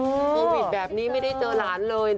วิทยาลัยราชแบบนี้ไม่ได้เจอหลานเลย